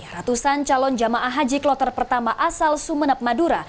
ratusan calon jamaah haji kloter pertama asal sumenep madura